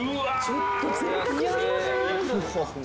ちょっとぜいたく過ぎません？